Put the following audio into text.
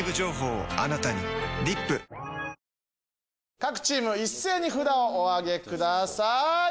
各チーム一斉に札をお挙げください。